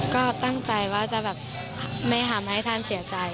ก็ตั้งใจว่าจะแบบไม่ทำให้ท่านเสียใจ